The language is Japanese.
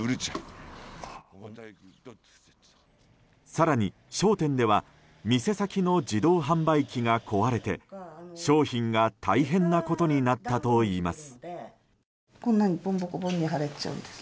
更に、商店では店先の自動販売機が壊れて商品が大変なことになったといいます。